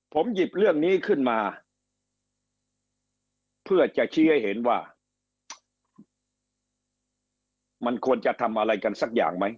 ผมหยิบเรื่องนี้ขึ้นมาเพื่อจะชี้ให้เห็นว่ามันควรจะทำอะไรกันสักอย่างไหม